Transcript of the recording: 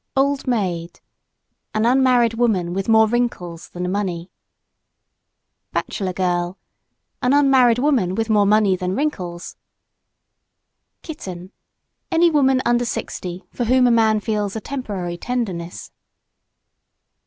OLD MAID An unmarried woman with more wrinkles than money. BACHELOR GIRL An unmarried woman with more money than wrinkles. KITTEN Any woman under sixty for whom a man feels a temporary tenderness.